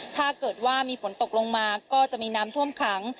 ถ้าเกิดว่ามีฝนตกลงมาก็จะมีน้ำท่วมขัง